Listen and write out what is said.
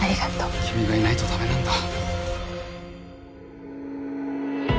君がいないとダメなんだ。